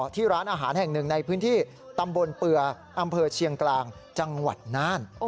ที่ร้านอาหารแห่งหนึ่งในพื้นที่ตำบลเปลืออำเภอเชียงกลางจังหวัดน่าน